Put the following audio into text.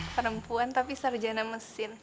perempuan tapi sarjana mesin